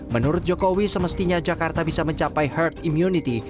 menurut jokowi semestinya jakarta bisa mencapai herd immunity